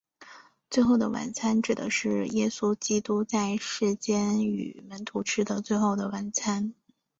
最后的晚餐指的是耶稣基督在世间与门徒吃的最后的晚餐。